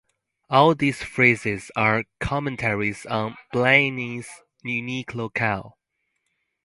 All these phrases are commentaries on Blaine's unique locale.